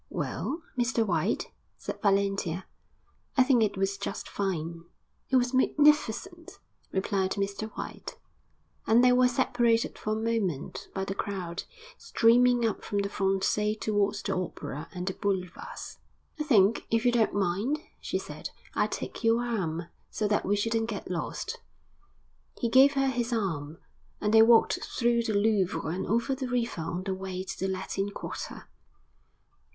'Well, Mr White,' said Valentia, 'I think it was just fine.' 'It was magnificent!' replied Mr White. And they were separated for a moment by the crowd, streaming up from the Français towards the Opera and the Boulevards. 'I think, if you don't mind,' she said, 'I'll take your arm, so that we shouldn't get lost.' He gave her his arm, and they walked through the Louvre and over the river on their way to the Latin Quarter.